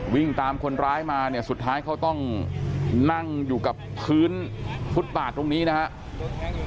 วิ่งตามคนร้ายมาเนี่ยสุดท้ายเขาต้องนั่งอยู่กับพื้นฟุตบาทตรงนี้นะครับ